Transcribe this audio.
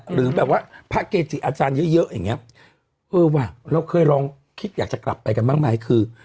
หรือแบบว่าพระเกจิอาจารย์เยอะเยอะอย่างเงี้ยเออว่ะเราเคยลองคิดอยากจะกลับไปกันบ้างไหมคือ